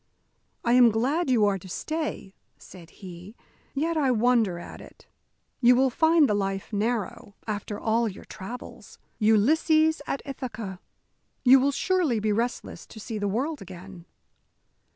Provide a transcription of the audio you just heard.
"I am glad you are to stay," said he, "yet I wonder at it. You will find the life narrow, after all your travels. Ulysses at Ithaca you will surely be restless to see the world again."